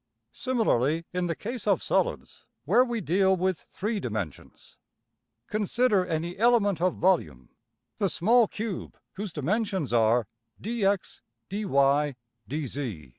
Similarly in the case of solids, where we deal with three dimensions. Consider any element of volume, the small cube whose dimensions are $dx$~$dy$~$dz$.